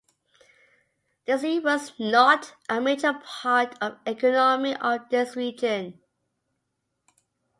The sea was not a major part of economy of this region.